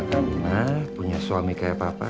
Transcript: karena punya suami kayak papa